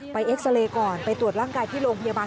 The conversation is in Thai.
เอ็กซาเรย์ก่อนไปตรวจร่างกายที่โรงพยาบาล